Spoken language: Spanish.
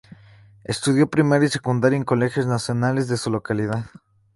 Estudió primaria y secundaria en colegios nacionales de su localidad.